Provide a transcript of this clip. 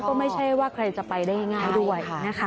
แล้วก็ไม่ใช่ว่าใครจะไปได้ง่ายด้วย